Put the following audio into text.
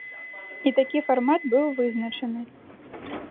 І такі фармат быў вызначаны.